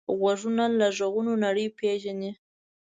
غوږونه له غږونو نړۍ پېژني